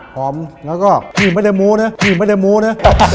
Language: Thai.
หอมแล้วก็กินไม่ได้มูน่ะกินไม่ได้มูน่ะ